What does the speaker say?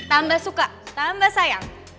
tambah suka tambah sayang